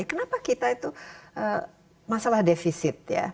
kenapa kita itu masalah defisit ya